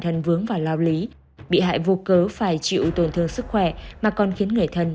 thân vướng vào lao lý bị hại vô cớ phải chịu tổn thương sức khỏe mà còn khiến người thân